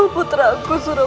putra aku suruh